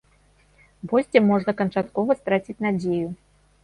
Вось дзе можна канчаткова страціць надзею!